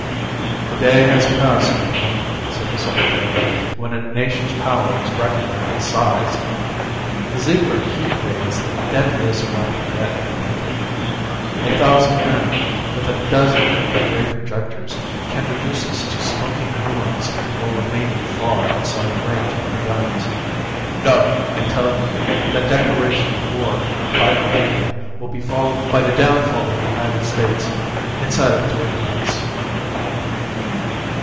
"The day has passed, General," said the Secretary, "when a nation's power is reckoned by its size. The Ziegler heat ray is the deadliest weapon yet invented. A thousand men with a dozen of the ray projectors can reduce us to smoking ruins while remaining far outside the range of our guns. No! I tell you that declaration of war by Arvania will be followed by the downfall of the United States inside of three months!"